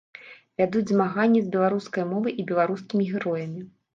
Вядуць змаганне з беларускай мовай і беларускімі героямі.